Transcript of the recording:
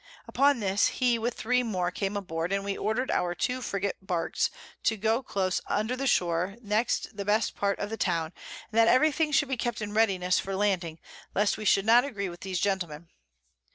Upon this he with three more came aboard, and we order'd our 2 Frigats Barks to go close under the Shore next the best Part of the Town, and that every thing should be kept in readiness for Landing, lest we should not agree with these Gentlemen.